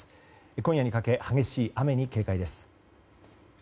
今夜にかけ激しい雨に警戒です。